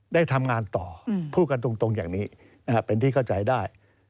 ได้ทำงานต่อพูดกันตรงอย่างนี้เป็นที่เข้าใจได้